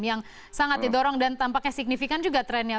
yang sangat didorong dan tampaknya signifikan juga trennya